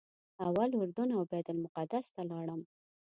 اول اردن او بیت المقدس ته لاړم.